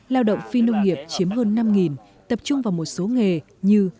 lao động phi nông nghiệp chiếm hơn năm tập trung vào một số nghề như